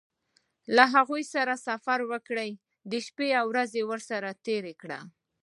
له هغوی سره سفر وکړه شپې او ورځې ورسره تېرې کړه.